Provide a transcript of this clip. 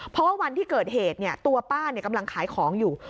เพราะวันที่เกิดเหตุเนี้ยตัวป้าเนี้ยกำลังขายของอยู่